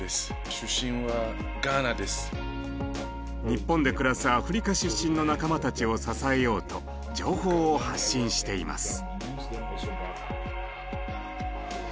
日本で暮らすアフリカ出身の仲間たちを支えようと情報を発信しています。